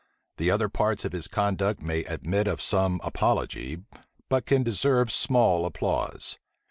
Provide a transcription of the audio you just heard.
The other parts of his conduct may admit of some apology, but can deserve small applause.